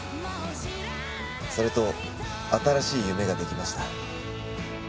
それと新しい夢が出来ました。